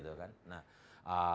dari urban area